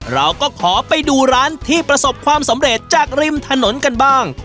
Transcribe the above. เราก็ขอไปดูร้านที่ประสบความสำเร็จจากริมถนนกันบ้าง